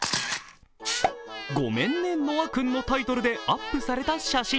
「ごめんねノアくん」のタイトルでアップされた写真。